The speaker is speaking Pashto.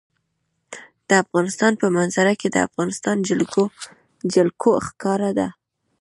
د افغانستان په منظره کې د افغانستان جلکو ښکاره ده.